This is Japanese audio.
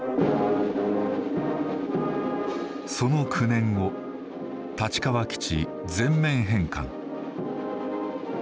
その９年後立川基地全面返還。